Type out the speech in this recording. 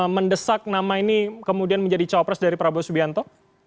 mendesak nama ini kemudian menjadi cawapres dari prabowo subianto